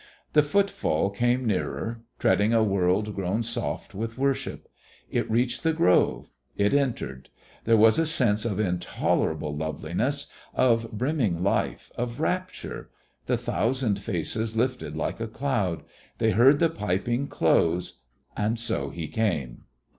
The footfall came nearer, treading a world grown soft with worship. It reached the grove. It entered. There was a sense of intolerable loveliness, of brimming life, of rapture. The thousand faces lifted like a cloud. They heard the piping close. And so He came.